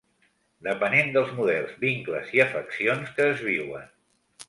Depenen dels models, vincles i afeccions que es viuen.